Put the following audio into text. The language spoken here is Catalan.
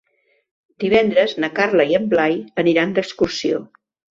Divendres na Carla i en Blai aniran d'excursió.